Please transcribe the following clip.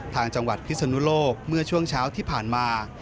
ทางจังหวัดพิศนุโลกเมื่อช่วงเช้าที่ผ่านมา